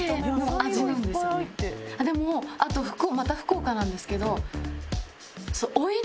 あっでもあとまた福岡なんですけど。